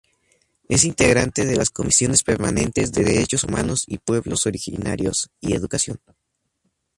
Es integrante de las comisiones permanentes de Derechos Humanos y Pueblos Originarios; y Educación.